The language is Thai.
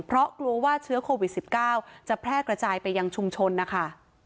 เพราะกลัวว่าเชื้อโควิด๑๙จะแพร่กระจายไปยังชุมชนนะคะ